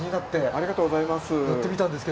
ありがとうございます。